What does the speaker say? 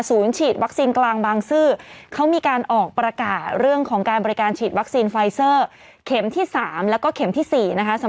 ศูนย์ฉีดวักซีมกลางบางซื่อเขามีการออกประกาศเรื่องของการบริการฉีดวัคซีนไฟซิร์ส์